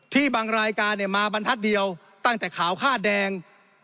บางรายการมาบรรทัศน์เดียวตั้งแต่ขาวค่าแดง